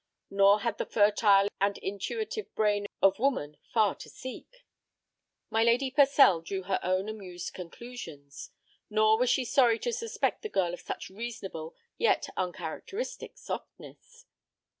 Nor had the fertile and intuitive brain of woman far to seek. My Lady Purcell drew her own amused conclusions, nor was she sorry to suspect the girl of such reasonable yet uncharacteristic softness.